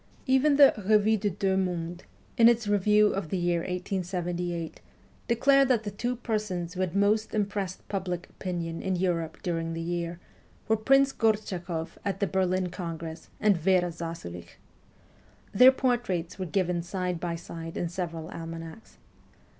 Even the 'Revue des Deux Mondes,' in its review of the year 1878, declared that the two persons who had most impressed public opinion in Europe during the year were Prince Gortchakoff at the Berlin Congress and Vera Zasulich. Their por traits were given side by side in several almanacs.